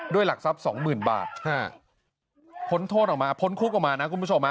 ด้วยหลักทรัพย์๒๐๐๐๐บาทพ้นโทษออกมาพ้นคุกออกมานะคุณผู้ชม